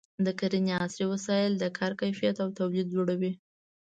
د کرنې عصري وسایل د کار کیفیت او تولید لوړوي.